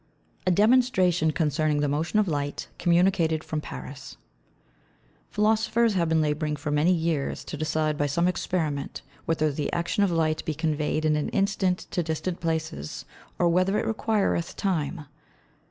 _ A Demonstration concerning the Motion of Light, communicated from Paris. Philosophers have been labouring for many Years to decide by some Experiment, whether the Action of Light be conveyed in an instant to distant Places, or whether it requireth time.